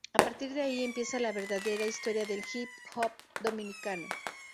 A partir de ahí empieza la verdadera historia del hip hop dominicano.